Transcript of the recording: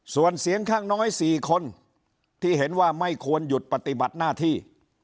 ส่วนเสียงข้างน้อย๔คนที่เห็นว่าไม่ควรหยุดปฏิบัติหน้าที่